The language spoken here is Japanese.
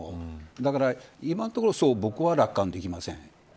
だから今のところそう、僕は楽観できません。